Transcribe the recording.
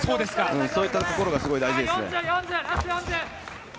そういったところがすごい大事ですね。